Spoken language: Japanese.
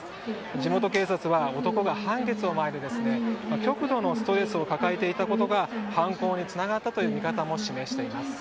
地元警察は男が判決を前に極度のストレスを抱えていたことが犯行につながったという見方も示しています。